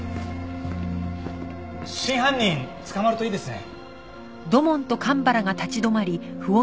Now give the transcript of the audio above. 真犯人捕まるといいですね。